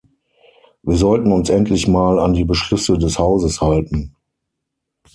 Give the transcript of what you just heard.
Wir sollten uns endlich mal an die Beschlüsse des Hauses halten.